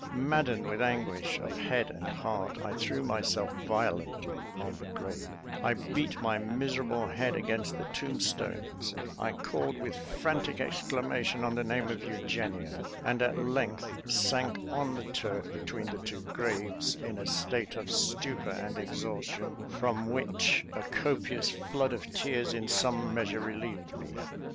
Maddened with anguish of head and heart, I threw myself violently on the grave: I beat my miserable head against the tombstones; I called with frantic exclamation on the name of Eugenia; and at length sank on the turf, between the two graves, in a state of stupor and exhaustion, from which a copious flood of tears in some measure relieved me.